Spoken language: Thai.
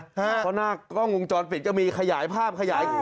เพราะหน้ากล้องกรุงจรปิดจะมีขยายภาพ